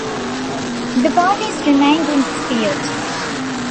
The parties remained in dispute.